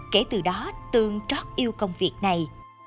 kể từ đó tường trót yêu cầu bánh mì pháp